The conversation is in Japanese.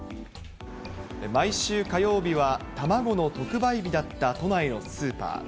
毎週火曜日は卵の特売日だった都内のスーパー。